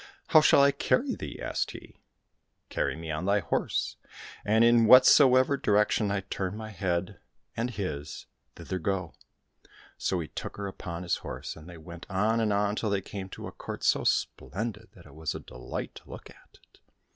—" How shall I carry thee ?" asked he. —" Carry me on thy horse, and in whatsoever direction I turn my head and his, thither go." — So he took her upon his horse, and they went on and on till they came to a court so splendid that it was a delight to look at it.